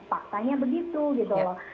faktanya begitu gitu loh